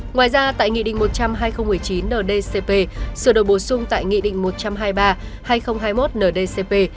ngoài ra tại nghị định một trăm linh hai nghìn một mươi chín ndcp sửa đổi bổ sung tại nghị định một trăm hai mươi ba hai nghìn hai mươi một ndcp